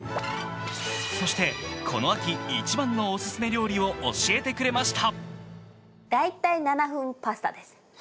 そしてこの秋、一番のオススメ料理を教えてくれました。